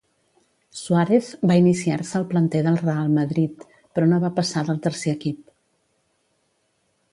Suárez va iniciar-se al planter del Real Madrid, però no va passar del tercer equip.